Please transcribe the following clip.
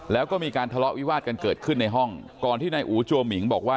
แล้วก็มีการทะเลาะวิวาดกันเกิดขึ้นในห้องก่อนที่นายอูจัวหมิงบอกว่า